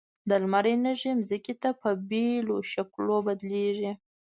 د لمر انرژي ځمکې ته په بېلو شکلونو بدلیږي.